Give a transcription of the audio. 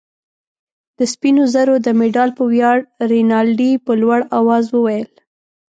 د سپینو زرو د مډال په ویاړ. رینالډي په لوړ آواز وویل.